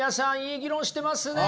いい議論してますね。